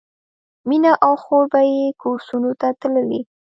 مینه او خور به یې کورسونو ته تللې